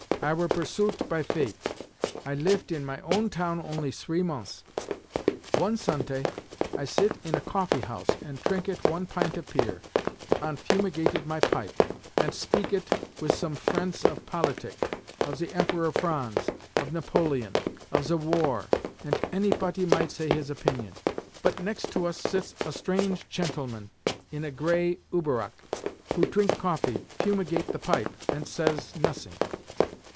I were pursuet by fate. I livet in my own town only sree mons. One Suntay I sit in a coffee house, ant trinket one pint of Pier, ant fumigated my pipe, ant speaket wis some frients of Politik, of ze Emperor Franz, of Napoleon, of ze war—ant anypoty might say his opinion. But next to us sits a strange chentleman in a grey Uberrock, who trink coffee, fumigate the pipe, ant says nosing.